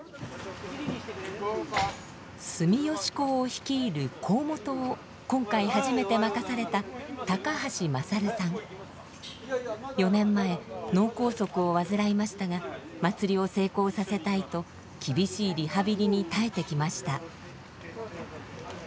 住吉講を率いる講元を今回初めて任された４年前脳梗塞を患いましたが祭りを成功させたいと厳しいリハビリに耐えてきました。